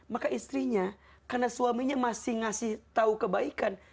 maka istrinya karena suaminya masih ngasih tahu kebaikan